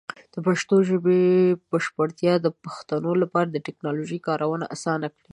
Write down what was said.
د پښتو ژبې بشپړتیا به د پښتنو لپاره د ټیکنالوجۍ کارونه اسان کړي.